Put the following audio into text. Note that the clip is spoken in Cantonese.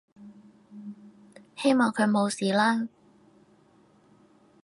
希望佢冇事啦